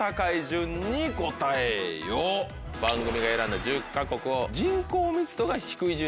番組が選んだ１０か国を。